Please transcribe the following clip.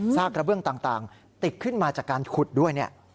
กระเบื้องต่างติดขึ้นมาจากการขุดด้วยเนี่ย